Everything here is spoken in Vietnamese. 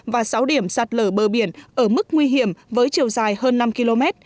và sáu điểm sạt lở bờ biển ở mức nguy hiểm với chiều dài hơn năm km